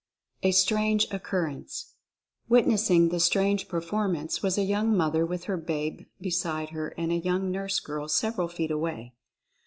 A STRANGE OCCURRENCE. Witnessing the strange performance was a young mother with her babe beside her and a young nurse 1 62 Mental Fascination girl several feet away.